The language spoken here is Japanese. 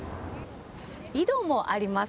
井戸もあります。